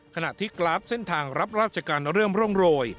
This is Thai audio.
ขณะที่กราฟเส้นทางรับราชการเริ่มร่องโรย